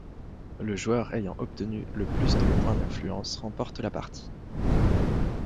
Le joueur ayant obtenu le plus de points d'influence remporte la partie.